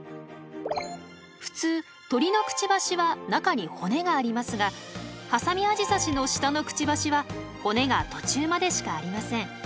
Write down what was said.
普通鳥のクチバシは中に骨がありますがハサミアジサシの下のクチバシは骨が途中までしかありません。